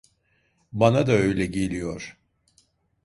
Bana da öyle geliyor.